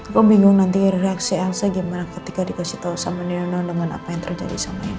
gue bingung nanti reaksi elsa gimana ketika dikasih tau sama nino dengan apa yang terjadi sama nino